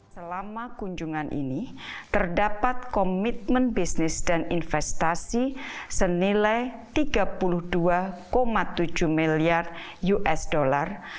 selama kunjungan ini terdapat komitmen bisnis dan investasi senilai tiga puluh dua tujuh miliar usd